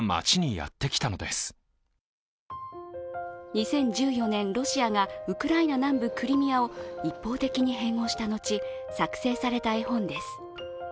２０１４年、ロシアがウクライナ南部クリミアを一方的に併合した後、作成された絵本です。